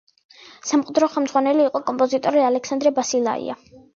სამხატვრო ხელმძღვანელი იყო კომპოზიტორი ალექსანდრე ბასილაია.